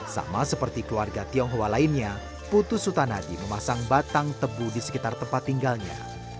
sama seperti keluarga tionghoa lainnya putus sutanadi memasang batang tebu di sekitar tempat tinggalnya